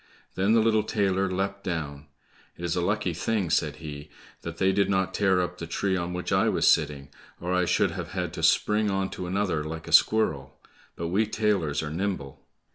Then the little tailor leapt down. "It is a lucky thing," said he, "that they did not tear up the tree on which I was sitting, or I should have had to spring on to another like a squirrel; but we tailors are nimble."